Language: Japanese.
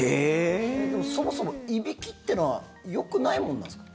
そもそもいびきってのはよくないものなんですか？